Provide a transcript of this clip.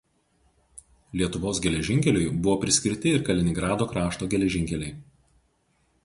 Lietuvos geležinkeliui buvo priskirti ir Kaliningrado krašto geležinkeliai.